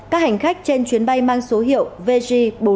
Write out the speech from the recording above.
các hành khách trên chuyến bay mang số hiệu vg bốn trăm năm mươi tám